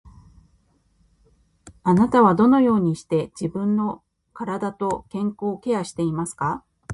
I do not understand anything